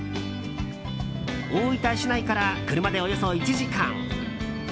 大分市内から車でおよそ１時間。